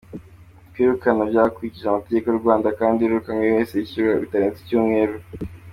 Kwirukana byakurikije amategeko y’u Rwanda kandi uwirukanywe wese yishyuwe bitarenze icyumweru.